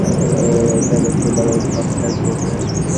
ঐ যে ওটা দেখলে তাদেরটাতে কম্পেয়ার করবে।